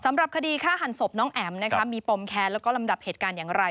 สำหรับคดีฆ่าหันศพน้องแอ๋มมีปมแค้นแล้วก็ลำดับเหตุการณ์อย่างไร